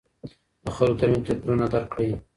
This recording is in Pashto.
د خلکو ترمنځ توپیرونه درک کړئ.